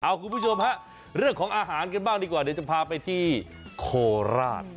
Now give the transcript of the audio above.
คุณผู้ชมฮะเรื่องของอาหารกันบ้างดีกว่าเดี๋ยวจะพาไปที่โคราช